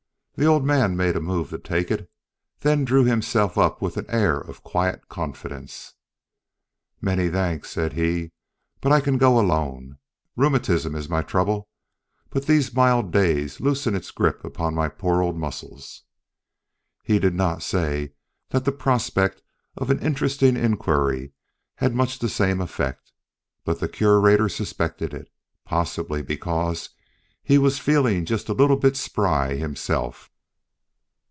The old man made a move to take it then drew himself up with an air of quiet confidence. "Many thanks," said he, "but I can go alone. Rheumatism is my trouble, but these mild days loosen its grip upon my poor old muscles." He did not say that the prospect of an interesting inquiry had much the same effect, but the Curator suspected it, possibly because he was feeling just a little bit spry himself.